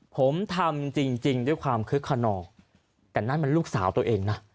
ผมทำจริงด้วยความคึกขนองแต่นั่นมันลูกสาวตัวเองนะ